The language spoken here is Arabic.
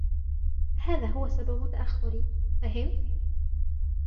" هذا هو سبب تأخري "" فهمت "